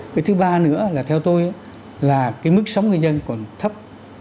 cái thứ ba nữa là theo tôi là cái mức sống người dân còn thấp